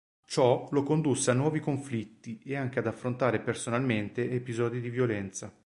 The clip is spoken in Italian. Ciò lo condusse a nuovi conflitti e anche ad affrontare personalmente episodi di violenza.